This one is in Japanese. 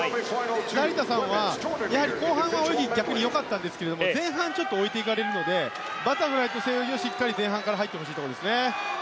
成田さんは後半は泳ぎがよかったんですが前半、置いていかれるのでバタフライと背泳ぎをしっかり前半から入ってほしいところです。